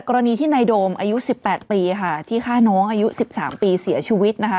กรณีที่นายโดมอายุ๑๘ปีค่ะที่ฆ่าน้องอายุ๑๓ปีเสียชีวิตนะคะ